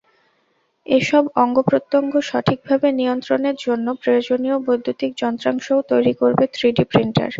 এসব অঙ্গপ্রত্যঙ্গ সঠিকভাবে নিয়ন্ত্রণের জন্য প্রয়োজনীয় বৈদ্যুতিক যন্ত্রাংশও তৈরি করবে থ্রিডি প্রিন্টার।